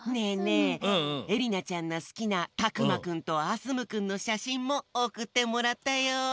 ええりなちゃんの好きなタクマくんとアスムくんのしゃしんもおくってもらったよ！